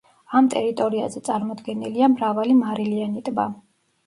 ამ ტერიტორიაზე წარმოდგენილია მრავალი მარილიანი ტბა.